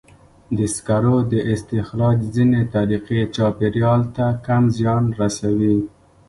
د سکرو د استخراج ځینې طریقې چاپېریال ته کم زیان رسوي.